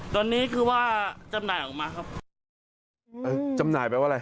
ตอนนี้คือว่าจำหน่ายออกมาครับเออจำหน่ายแปลว่าอะไร